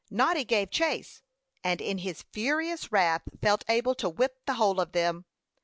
Noddy gave chase, and in his furious wrath felt able to whip the whole of them.